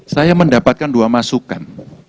saya mendapatkan dua masukan